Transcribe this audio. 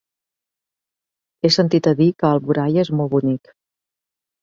He sentit a dir que Alboraia és molt bonic.